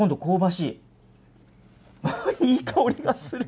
いい香りがする。